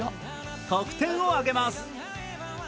得点を挙げます。